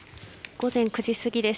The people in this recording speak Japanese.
午前９時過ぎです。